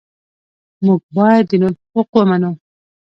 موږ باید د نورو حقوق ومنو.